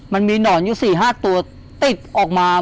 มันมีหนอนอยู่๔๕ตัวติดออกมา